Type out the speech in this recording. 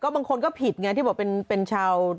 บางคนก็ผิดไงที่บอกเป็นชาว